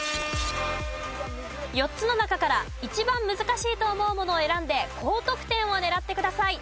４つの中から一番難しいと思うものを選んで高得点を狙ってください。